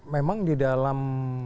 memang di dalam